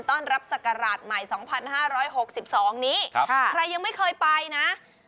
ต้อนรับสักกรราชใหม่สองพันห้าร้อยหกสิบสองนี้ครับใครยังไม่เคยไปนะ